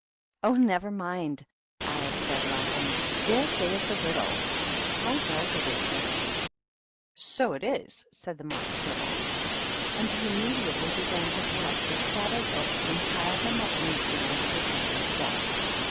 "Oh, never mind!" Alice said, laughing; dare say it's a riddle. How dark it is getting THE MOCK TURTLE. 227 "So it is," said the Mock Turtle. And he immediately began to collect the scattered books and pile them up neatly under the teacher's desk.